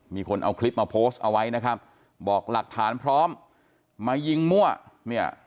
มีคนเอาคลิปมาโพสต์เอาไว้นะครับบอกหลักฐานพร้อมมายิงมั่วเนี่ย